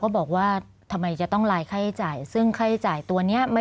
บอกว่าทำไมจะต้องลายค่าใช้จ่ายซึ่งค่าใช้จ่ายตัวเนี้ยไม่